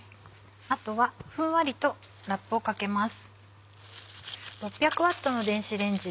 あとはふんわりとラップをかけます。